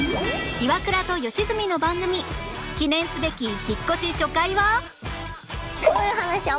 『イワクラと吉住の番組』記念すべき引っ越し初回は